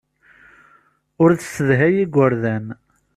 Ur tessedhay igerdan.